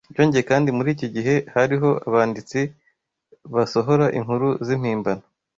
Byongeye kandi, muri iki gihe hariho abanditsi basohora inkuru z’impimbano